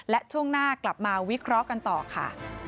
และช่วงหน้ากลับมาวิเคราะห์กันต่อค่ะ